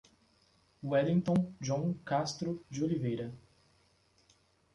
Wellington John Castro Deoliveira